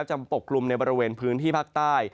ปกกลุ่มในบริเวณพื้นที่ภาคใต้